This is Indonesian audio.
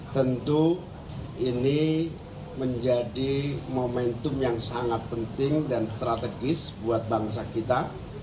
tentu ini menjadi momentum yang sangat penting dan strategis buat bangsa kita